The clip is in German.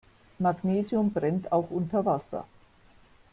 Magnesium brennt auch unter Wasser.